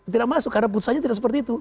tidak masuk karena putusannya tidak seperti itu